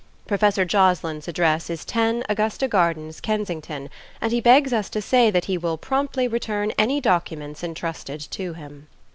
Professor Joslin's address is 10 Augusta Gardens, Kensington, and he begs us to say that he will promptly return any documents entrusted to him."